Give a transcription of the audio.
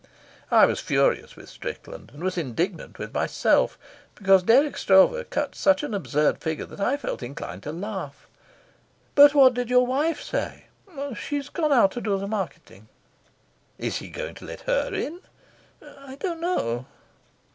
I was furious with Strickland, and was indignant with myself, because Dirk Stroeve cut such an absurd figure that I felt inclined to laugh. "But what did your wife say?" "She'd gone out to do the marketing." "Is he going to let her in?" "I don't know."